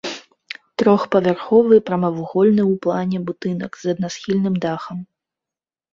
Трохпавярховы прамавугольны ў плане будынак з аднасхільным дахам.